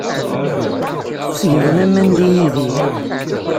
Tettgeḍ laman deg Yidir.